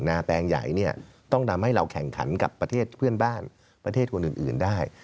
แตงใหญ่เนี่ยต้องทำให้เราแข่งขันกับประเทศเพื่อนบ้านประเทศคนอื่นได้